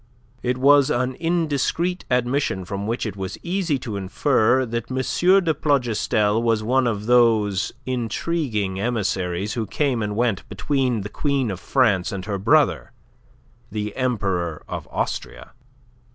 It was an indiscreet admission from which it was easy to infer that M. de Plougastel was one of those intriguing emissaries who came and went between the Queen of France and her brother, the Emperor of Austria.